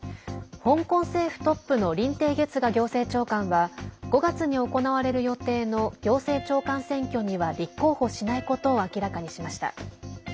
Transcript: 香港政府トップの林鄭月娥行政長官は５月に行われる予定の行政長官選挙には立候補しないことを明らかにしました。